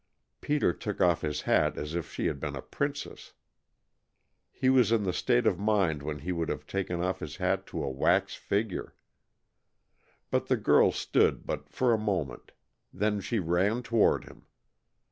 Peter took off his hat as if she had been a princess. He was in the state of mind when he would have taken off his hat to a wax figure. But the girl stood but for a moment. Then she ran toward him.